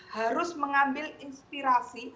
harus mengambil inspirasi